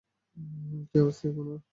কী অবস্থা এখন ওর?